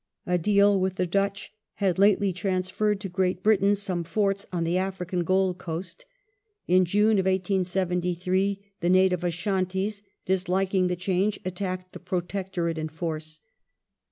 A deal with the Dutch had lately transfen*ed to Great Britain some forts on the Aftican Gold Coast. In June, 1873, the native Ashantees, disliking the change, attacked the Protectorate in force.